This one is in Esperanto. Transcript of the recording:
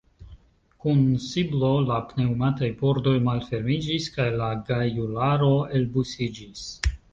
Kun siblo la pneŭmataj pordoj malfermiĝis kaj la gajularo elbusiĝis.